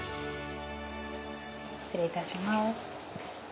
失礼いたします。